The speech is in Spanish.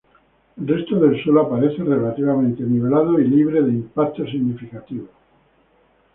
El resto del suelo aparece relativamente nivelado y libre de impactos significativos.